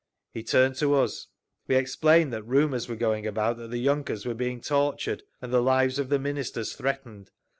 He turned to us. We explained that rumours were going about that the yunkers were being tortured, and the lives of the Ministers threatened.